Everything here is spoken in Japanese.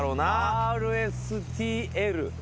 ＲＳＴＬ。